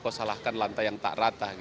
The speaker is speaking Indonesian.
kok salahkan lantai yang tak rata